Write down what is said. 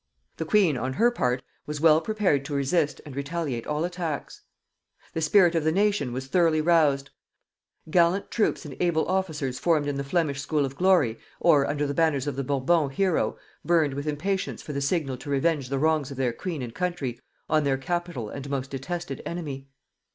The queen, on her part, was well prepared to resist and retaliate all attacks. The spirit of the nation was thoroughly roused; gallant troops and able officers formed in the Flemish school of glory, or under the banners of the Bourbon hero, burned with impatience for the signal to revenge the wrongs of their queen and country on their capital and most detested enemy.